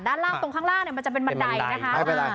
แต่ด้านล่างตรงข้างล่างจะเป็นมันดัย